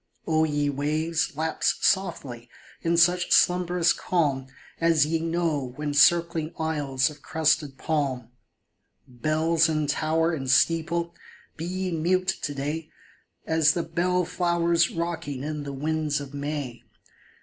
O ye waves, lapse softly, in such slumberous calm As ye know when circling isles of crested palm ! Bells in tower and steeple, be ye mute to day As the bell flowers rocking in the winds of May